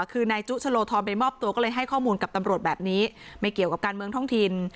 คือนายจุชะโลทรไปมอบตัวก็เลยให้ข้อมูลกับตำรวจแบบนี้ไม่เกี่ยวกับการเมืองท้องถิ่น